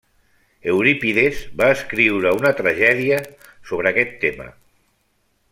Eurípides va escriure una tragèdia sobre aquest tema.